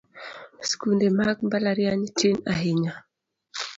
Sikunde mag mbalariany tin ahinya